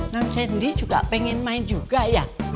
nam cendini juga pengen main juga ya